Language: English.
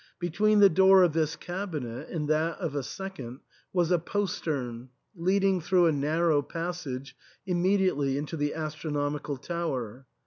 Between the door of this cabinet and that of a second was a postern, leading through a narrow passage immediately into the astro nomical tower.